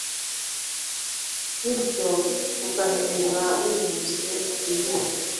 bityo ugahindura wihuse byihuta